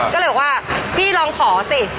ก็เลยบอกว่าพี่ลองขอสิ